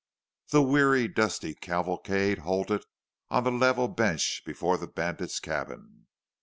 19 The weary, dusty cavalcade halted on the level bench before the bandit's cabin.